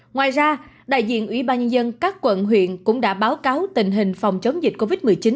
ngoài ra đại diện ủy ban nhân dân các quận huyện cũng đã báo cáo tình hình phòng chống dịch covid một mươi chín